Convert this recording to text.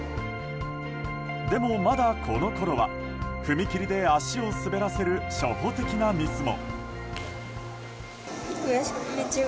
でも、まだこのころは踏切で足を滑らせる初歩的なミスも。